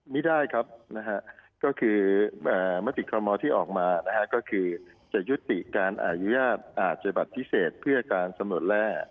ไม่ได้ครับนะฮะก็คือมติคอลโมที่ออกมานะฮะก็คือจะยุติการอนุญาตอาจยบัตรพิเศษเพื่อการสำรวจแร่